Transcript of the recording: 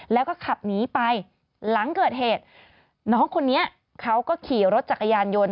แล้วก็ขับหนีไปหลังเกิดเหตุน้องคนนี้เขาก็ขี่รถจักรยานยนต์